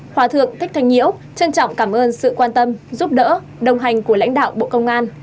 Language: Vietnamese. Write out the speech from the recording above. hòa thượng thích thanh nhiễu trân trọng cảm ơn sự quan tâm giúp đỡ đồng hành của lãnh đạo bộ công an